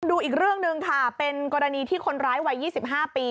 ดูอีกเรื่องหนึ่งค่ะเป็นกรณีที่คนร้ายวัย๒๕ปี